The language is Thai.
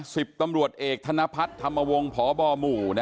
สิบตำรวจเอกธนพัฒน์ธรรมวงศ์พบหมู่